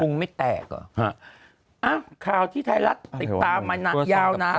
เคราะห์ที่ไทยลัดติดตามมายาวนาน